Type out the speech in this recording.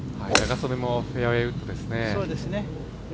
仲宗根もフェアウエーウッドですね。